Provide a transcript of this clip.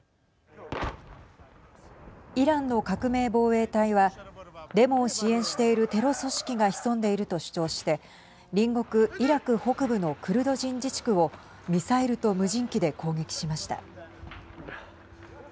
イランの革命防衛隊はデモを支援しているテロ組織が潜んでいると主張して隣国イラク北部のクルド人自治区をミサイルと無人機で攻撃しました。